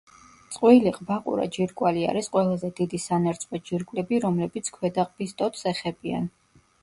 წყვილი ყბაყურა ჯირკვალი არის ყველაზე დიდი სანერწყვე ჯირკვლები, რომლებიც ქვედა ყბის ტოტს ეხებიან.